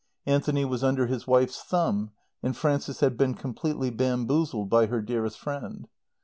Anthony was under his wife's thumb and Frances had been completely bamboozled by her dearest friend.